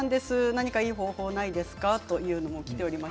何かいい方法はないですかというのがきています。